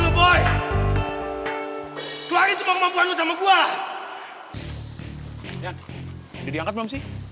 nen udah diangkat belum sih